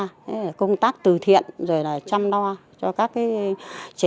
thế là công tác tử thiện rồi là chăm lo cho các cái trẻ em